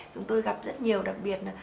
chúng tôi gặp rất nhiều đặc biệt là